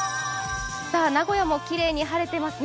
名古屋もきれいに晴れていますね。